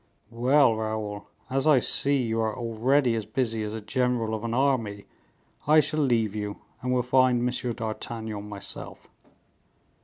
"Well, Raoul, as I see you are already as busy as a general of an army, I shall leave you, and will find M. d'Artagnan myself."